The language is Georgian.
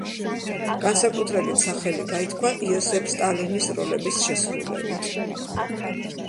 განსაკუთრებით სახელი გაითქვა იოსებ სტალინის როლების შესრულებით.